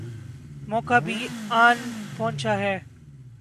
موقع بھی آن پہنچا ہے۔